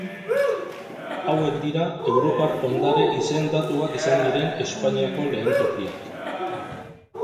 Hauek dira Europar Ondare izendatuak izan diren Espainiako lehen tokiak.